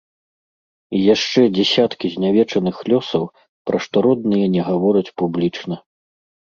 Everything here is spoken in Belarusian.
І яшчэ дзясяткі знявечаных лёсаў, пра што родныя не гавораць публічна.